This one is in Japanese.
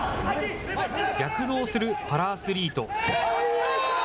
躍動するパラアスリート。